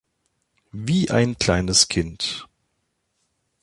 Wie ein kleines Kind.